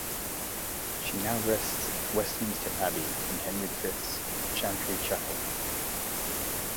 She now rests at Westminster Abbey in Henry the Fifth's Chantry Chapel.